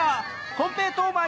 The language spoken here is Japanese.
コンペイトウマン！